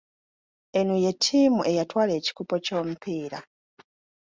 Eno ye ttiimu eyatwala ekikopo ky'omupiira.